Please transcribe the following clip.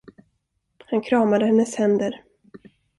Han kramade hennes händer.